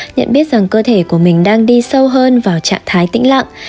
nhận biết rằng cơ thể của mình đang đi sâu hơn vào trạng thái tĩnh lặng